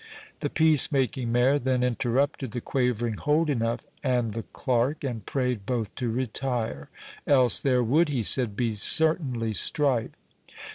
The peace making Mayor then interrupted the quavering Holdenough and the clerk, and prayed both to retire, else there would, he said, be certainly strife.